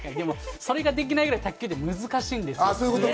それができないぐらい卓球って難しいんですよ。